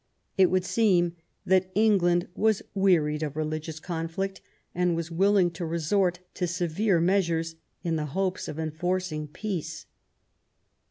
It would seem that England was wearied of religious conflict, and was willing to resort to severe measures in the hopes of enforcing peace.